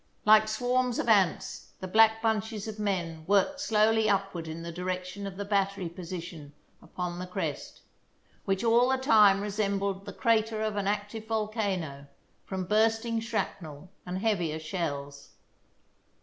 Like swarms of ants the black bunches of men worked slowly upward in the direction of the battery position upon the crest, which all the time resembled the crater of an active volcano, from bursting shrapnel and heavier shells.